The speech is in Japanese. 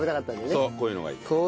そうこういうのがいい。